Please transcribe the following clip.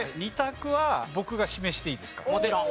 もちろん。